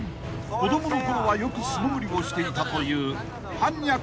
［子供のころはよく素潜りをしていたというはんにゃ